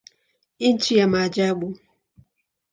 Nchi ya maajabu.